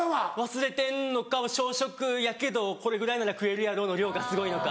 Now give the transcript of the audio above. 忘れてんのか小食やけどこれぐらいなら食えるやろの量がすごいのか。